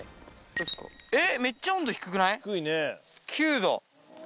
めっちゃ温度低くない？